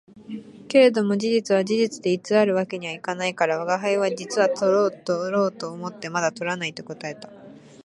けれども事実は事実で偽る訳には行かないから、吾輩は「実はとろうとろうと思ってまだ捕らない」と答えた